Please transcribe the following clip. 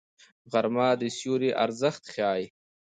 غرمه د سیوري ارزښت ښيي